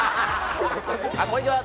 あっこんにちは